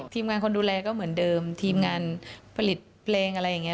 ทีมงานคนดูแลก็เหมือนเดิมทีมงานผลิตเพลงอะไรอย่างนี้